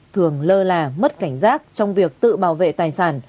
thường lơ là mất cảnh giác trong việc tự bảo vệ tài sản